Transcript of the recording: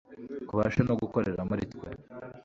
kubashe no gukorera muri twe